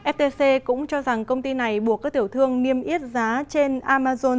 ftc cũng cho rằng công ty này buộc các tiểu thương niêm yết giá trên amazon